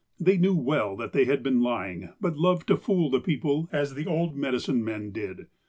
They knew well that they had been lying, but loved to fool the people, as the old medicine men did.